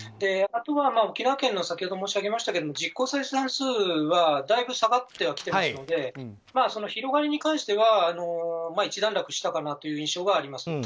あとは先ほど申し上げましたが沖縄県の実効再生産数はだいぶ下がってはきてますので広がりに関しては一段落したかなという印象はあります。